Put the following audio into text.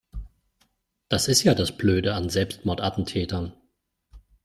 Das ist ja das Blöde an Selbstmordattentätern.